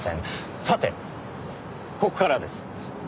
さてここからです。